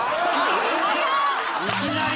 いきなり。